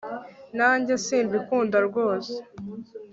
nanjye simbikunda rwose